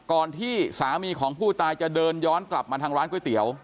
ที่สามีของผู้ตายจะเดินย้อนกลับมาทางร้านก๋วยเตี๋ยว